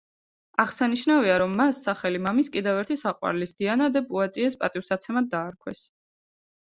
აღსანიშნავია, რომ მას სახელი მამის კიდევ ერთი საყვარლის, დიანა დე პუატიეს პატივსაცემად დაარქვეს.